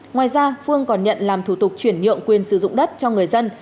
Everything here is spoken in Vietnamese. ngoài ra phương còn nhận làm thủ tục chuyển nhượng quyền sử dụng đất cho người dân